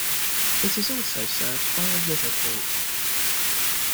It is also served by a river port.